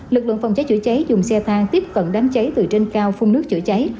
lực lượng phòng cháy chữa cháy dùng xe thang tiếp cận đám cháy từ trên cao phun nước chữa cháy